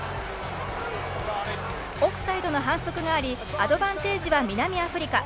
オフサイドの反則がありアドバンテージは南アフリカ。